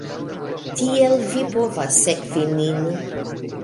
Tiel vi povas sekvi nin